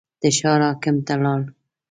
د ښار حاکم ته لاړ.